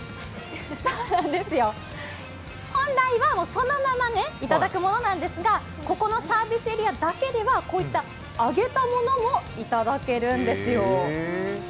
そうなんですよ、本来はそのままいただくものなんですがここのサービスエリアだけではこういった揚げたものもいただけるんですよ。